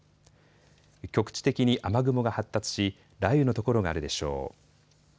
局地的に雨雲が発達し雷雨の所があるでしょう。